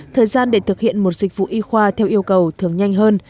thời gian để thực hiện một dịch vụ y khoa theo yêu cầu thường nhanh hơn